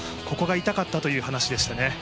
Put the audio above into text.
ここが痛かったということです。